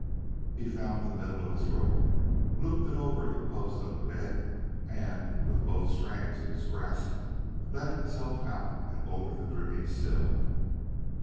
He found the middle of his rope, looped it over a post of the bed, and, with both strands in his grasp, let himself out and over the dripping sill.